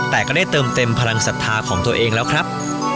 แต่ก็ได้เติมเต็มพลังศรัทธาของตัวเองแล้วครับ